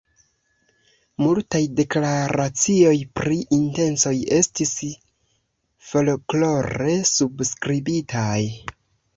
Multaj deklaracioj pri intencoj estis folklore subskribitaj.